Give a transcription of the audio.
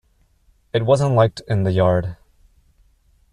It wasn't liked in the yard.